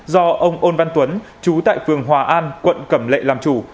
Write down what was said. do ông văn tuấn chú tại phường hòa an quận cẩm lệ làm chủ